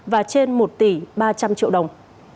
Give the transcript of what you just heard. và trên một tỷ ba trăm linh triệu đồng